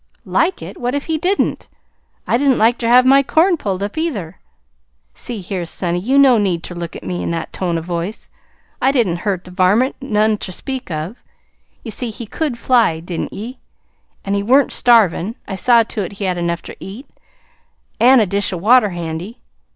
"Like it! What if he didn't? I didn't like ter have my corn pulled up, either. See here, sonny, you no need ter look at me in that tone o' voice. I didn't hurt the varmint none ter speak of ye see he could fly, didn't ye? an' he wa'n't starvin'. I saw to it that he had enough ter eat an' a dish o' water handy.